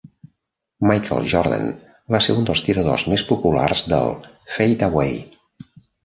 Michael Jordan va ser un dels tiradors més populars del fadeaway.